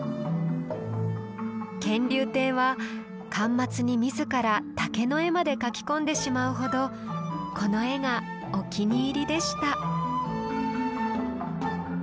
乾隆帝は巻末に自ら竹の絵まで描き込んでしまうほどこの絵がお気に入りでした。